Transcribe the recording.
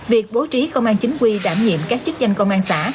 việc bố trí công an chính quy đảm nhiệm các chức danh công an xã